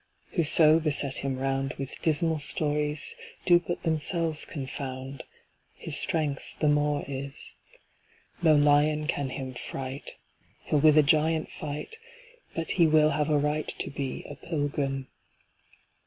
"Whoso beset him round With dismal stories, Do but themselves confound His strength the more is. No lion can him fright; He'll with a giant fight, But he will have a right To be a pilgrim.